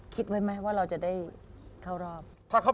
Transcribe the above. คิดไว้ไหมว่าเราจะได้เข้ารอบ